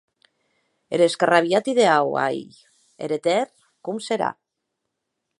Er escarrabilhat ideau, ai!, er etèrn com serà?